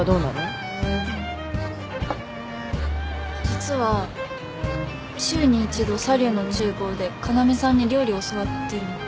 実は週に１度サリューのちゅう房で要さんに料理を教わってるの。